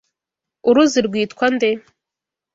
Uruzi rwitwa nde?